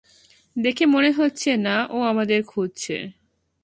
দেখে মনে হচ্ছে না ও আমাদের খুঁজছে।